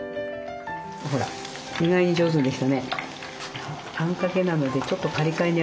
ほら意外に上手にできたね。